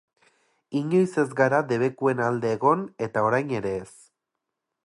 Inoiz ez gara debekuen alde egon eta orain ere ez.